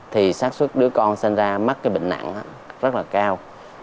thì sát xuất đứa con sinh ra mắc cái bệnh nặng rất là cao